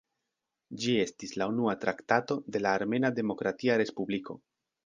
Ĝi estis la unua traktato de la Armena Demokratia Respubliko.